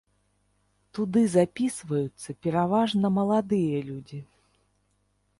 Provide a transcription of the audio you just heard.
Туды запісваюцца пераважна маладыя людзі.